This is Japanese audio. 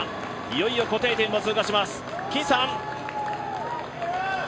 いよいよ固定点を通過します。